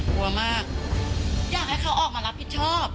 กลัวมากอยากให้เขาออกมารับผิดชอบ